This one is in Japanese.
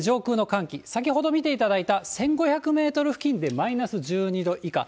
上空の寒気、先ほど見ていただいた１５００メートル付近でマイナス１２度以下。